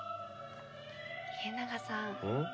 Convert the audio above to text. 家長さん